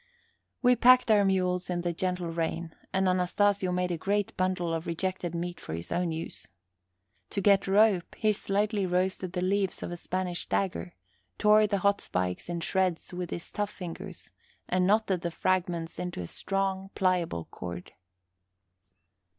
We packed our mules in a gentle rain, and Anastasio made a great bundle of rejected meat for his own use. To get rope, he slightly roasted the leaves of the Spanish dagger, tore the hot spikes in shreds with his tough fingers and knotted the fragments into a strong, pliable cord.